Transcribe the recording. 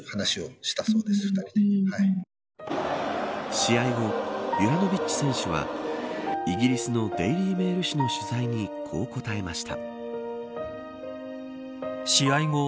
試合後ユラノヴィッチ選手はイギリスのデイリー・メール紙の取材にこう答えました。